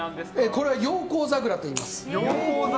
これは陽光桜といいます。